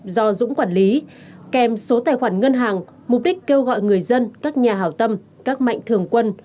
do dũng quản lý kèm số tài khoản ngân hàng mục đích kêu gọi người dân các nhà hào tâm các mạnh thường quân